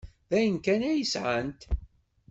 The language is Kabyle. D ayen kan ay sɛant.